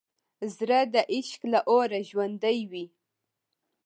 زړه د عشق له اوره ژوندی وي.